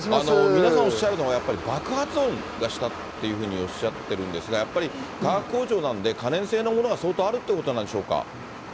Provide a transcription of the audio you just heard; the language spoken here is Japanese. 皆さんおっしゃるのは、やっぱり爆発音がしたっていうふうにおっしゃってるんですが、やっぱり化学工場なんで、可燃性のものが相当あるってことなんでしょうか？